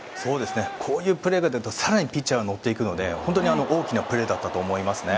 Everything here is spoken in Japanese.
こういうプレーが出ると更にピッチャーは乗るので本当に大きなプレーだったと思いますね。